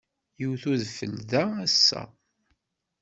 Iwet udfel da ass-a.